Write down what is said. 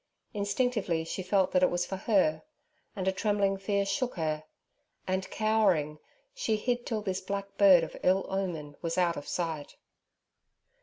Instinctively she felt that it was for her, and a trembling fear shook her; and, cowering, she hid till this black bird of ill omen was out of sight.